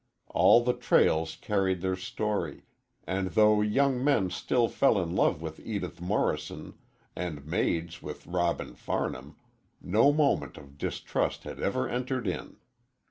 All the trails carried their story, and though young men still fell in love with Edith Morrison and maids with Robin Farnham, no moment of distrust had ever entered in.